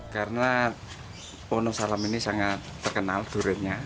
karena wonosalam ini sangat terkenal duriannya